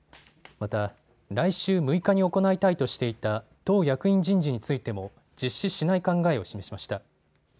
また、来週６日に行いたいとしていた党役員人事についても実施しない考えを示しました。